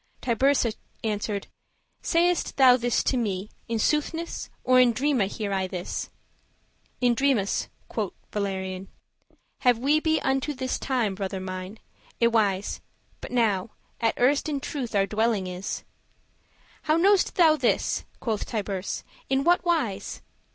" Tiburce answered, "Say'st thou this to me In soothness, or in dreame hear I this?" "In dreames," quoth Valorian, "have we be Unto this time, brother mine, y wis But now *at erst* in truth our dwelling is." *for the first time* How know'st thou this," quoth Tiburce; "in what wise?"